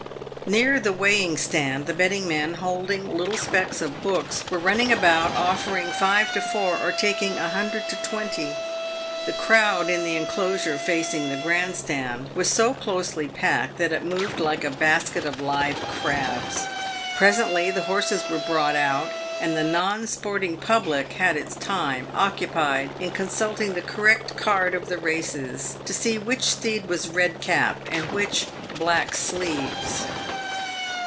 Near the weighing stand the betting men, holding little specks of books, were running about offering five to four or taking a hundred to twenty. The crowd in the enclosure facing the grand stand was so closely packed that it moved like a basket of live crabs. Presently the horses were brought out, and the non sporting public had its time occupied in consulting the correct card of the races to see which PAYED WITH GOLD. 221 steed was Bed Cap, and which Black Sleeves.